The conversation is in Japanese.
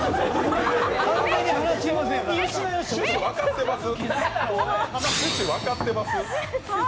趣旨分かってます？